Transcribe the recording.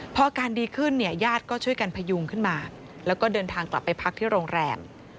พออาการดีขึ้นเนี่ยญาติก็ช่วยกันพยุงขึ้นมาแล้วก็เดินทางกลับไปพักที่โรงแรม